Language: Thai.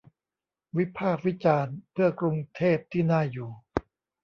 วิพากษ์วิจารณ์ เพื่อกรุงเทพที่น่าอยู่